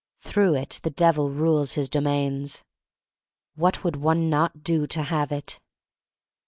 Through it the Devil rules his domains. What would one not do to have it!